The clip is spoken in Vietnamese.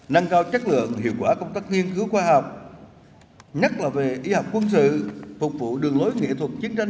nâng cao chất lượng hiệu quả công tác nghiên cứu khoa học nhất là về y học quân sự phục vụ đường lối nghệ thuật chiến tranh